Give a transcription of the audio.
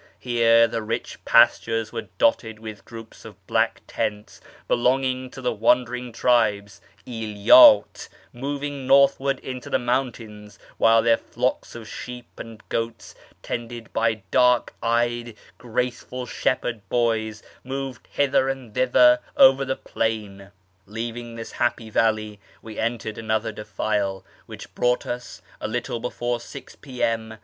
Here the rich pastures were dotted with groups of black tents belonging to the wandering tribes {ilyc'it) moving northward into the mountains, while their flocks of sheep and goats, tended by dark eyed graceful shepherd boys, moved hither and thither over the plain. Leaving this happy valley we entered another defile, which brought us, a little before 6 P.M.